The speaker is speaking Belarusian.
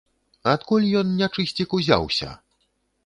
Адкуль ён, нячысцік, узяўся?